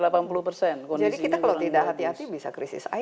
jadi kita kalau tidak hati hati bisa krisis air ya